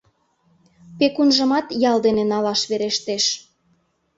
Пекунжымат ял дене налаш верештеш.